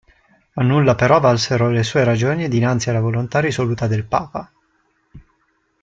A nulla però valsero le sue ragioni e dinanzi alla volontà risoluta del papa.